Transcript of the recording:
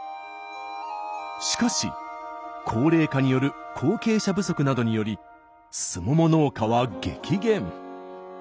しかし高齢化による後継者不足などによりすもも農家は激減。